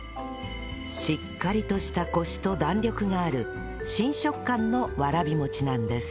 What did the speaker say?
しっかりとしたコシと弾力がある新食感のわらびもちなんです